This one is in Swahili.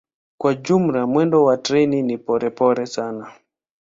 Kwa jumla mwendo wa treni ni polepole sana.